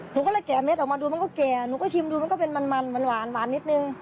หนูก็เลยแก่เม็ดออกมาดูมันก็แก่หนูก็ชิมดูมันก็เป็นมันมันหวานนิดนึง